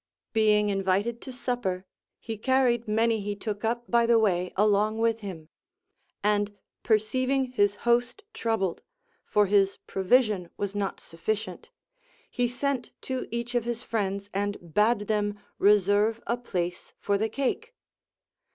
Being invited to supper, he carried many he took up by the way along with him ; and perceiv ing his host troubled (for his provision was not sufficient), he sent to each of his friends, and bade them reserve a place for the cake.